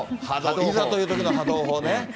いざというときの波動砲ね。